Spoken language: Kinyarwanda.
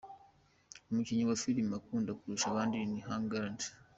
Umukinnyi wa Filimi akunda kurusha abandi ni Hugh Grant.